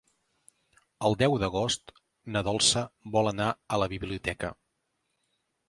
El deu d'agost na Dolça vol anar a la biblioteca.